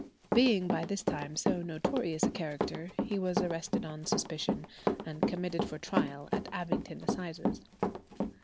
Being by this time so notorious a character, he was arrested on suspicion, and committed for trial at Abingdon Assizes.